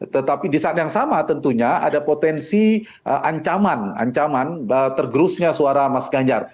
tetapi di saat yang sama tentunya ada potensi ancaman ancaman tergerusnya suara mas ganjar